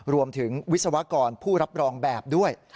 รวมถึงวิศวกรผู้รับรองแบบด้วย